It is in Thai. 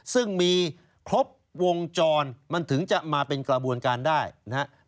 ซึ่งมีครบวงจรมันถึงจะมาเป็นกระบวนการได้นะครับ